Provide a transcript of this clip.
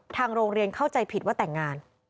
ทางโรงเรียนเข้าใจผิดว่าแต่งงาน